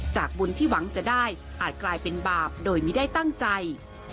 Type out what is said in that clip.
บุญที่หวังจะได้อาจกลายเป็นบาปโดยไม่ได้ตั้งใจ